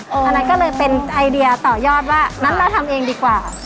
อันนั้นก็เลยเป็นไอเดียต่อยอดว่างั้นเราทำเองดีกว่า